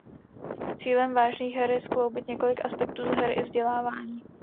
Cílem vážných her je skloubit několik aspektů z her i vzdělávání.